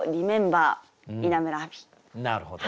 なるほど。